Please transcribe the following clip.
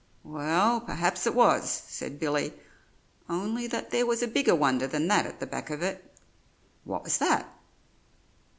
"Well, perhaps it was," said Billy, "only that there was a bigger wonder than that at the back of it." "What was that?"